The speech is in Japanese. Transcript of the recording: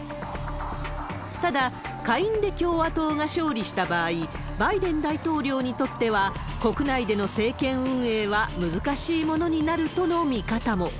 ただ、下院で共和党が勝利した場合、バイデン大統領にとっては、国内での政権運営は難しいものになるとの見方も。